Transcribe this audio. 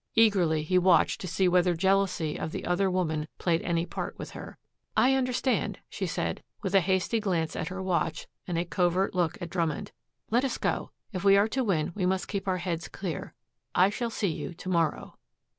Eagerly he watched to see whether jealousy of the other woman played any part with her. "I understand," she said with a hasty glance at her watch and a covert look at Drummond. "Let us go. If we are to win we must keep our heads clear. I shall see you to morrow."